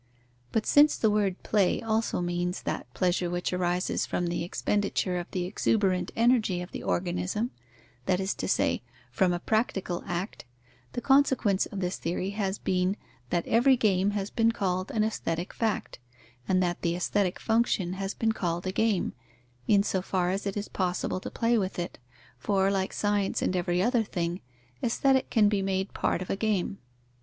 But since the word play also means that pleasure which arises from the expenditure of the exuberant energy of the organism (that is to say, from a practical act), the consequence of this theory has been, that every game has been called an aesthetic fact, and that the aesthetic function has been called a game, in so far as it is possible to play with it, for, like science and every other thing, Aesthetic can be made part of a game.